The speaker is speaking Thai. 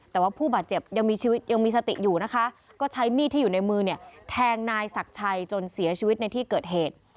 แต่ว่าผู้บาดเจ็บยังมีชีวิตยังมีสติอยู่นะคะก็ใช้มีดที่อยู่ในมือเนี่ยแทงนายศักดิ์ชัยจนเสียชีวิตในที่เกิดเหตุ